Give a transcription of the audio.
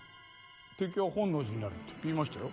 敵は本能寺にありって言いましたよ。